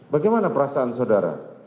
bagaimana perasaan saudara